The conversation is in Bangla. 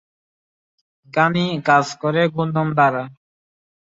ঘানি কাজ করে ঘূর্ণন দ্বারা।